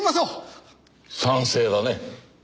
賛成だね。